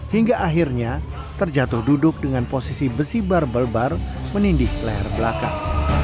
hingga akhirnya terjatuh duduk dengan posisi besi barbel bar menindik leher belakang